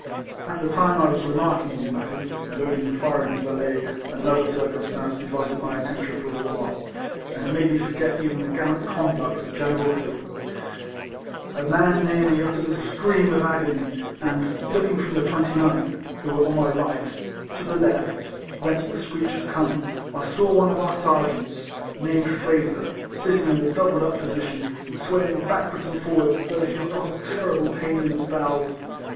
At the time I was remarking these mat ters (loading and firing as I lay), another circumstance divided my attention for a while, and made me forget even the gallant conduct of General Hill. A man near me c 3 34 EECOLLECTIONS OF uttered a scream of agony; and, looking from the 29th, who were on my right, to the left, whence the screech had come, I saw one of our sergeants, named Frazer, sitting in a doubled up position, and sway ing backwards and forwards, as though he had got a terrible pain in his bowels.